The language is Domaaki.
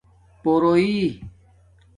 پورویی